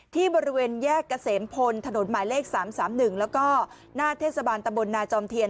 ที่บริเวณแยกเกษมพลถนนหมายเลข๓๓๑แล้วก็หน้าเทศบาลตะบลนาจอมเทียน